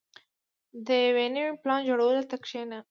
• د یو نوي پلان جوړولو ته کښېنه.